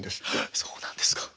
そうなんですか。